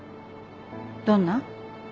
どんな？